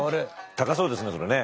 高そうですねそれね。